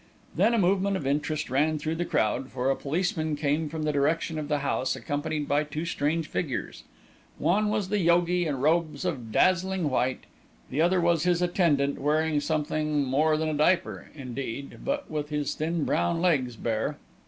Then a movement of interest ran through the crowd, for a policeman came from the direction of the house accompanied by two strange figures. One was the yogi, in robes of dazzling white; the other his attendant, wearing something more than a diaper, indeed, but with his thin brown legs bare.